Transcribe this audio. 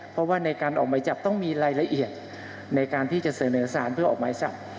เพราะว่าในการออกหมายจับต้องมีรายละเอียดในการที่จะเสนอสารเพื่อออกหมายจับ